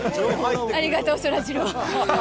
ありがとう、そらジロー。